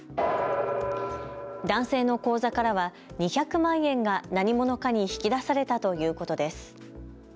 男性の口座からは２００万円が何者かに引き出されたということです。